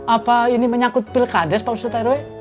apa ini menyakut pil kades pak ustadz rw